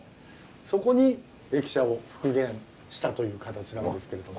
そこに駅舎を復元したという形なんですけれども。